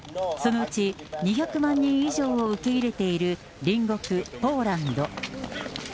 そのうち２００万人以上を受け入れている隣国ポーランド。